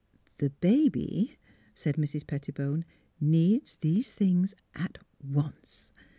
'' THE BABY," said Mrs. Pettibone, " needs these things, at once."